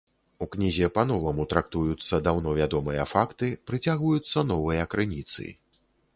У кнізе па-новаму трактуюцца даўно вядомыя факты, прыцягваюцца новыя крыніцы.